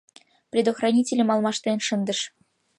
Предохранительым алмаштен шындыш.